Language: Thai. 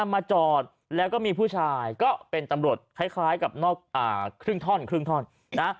มาจอดแล้วก็มีผู้ชายก็เป็นตำรวจคล้ายกับนอกครึ่งท่อนครึ่งท่อนนะ